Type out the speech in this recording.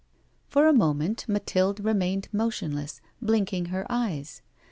For a moment Mathilde remained motionless, blinking her eyes.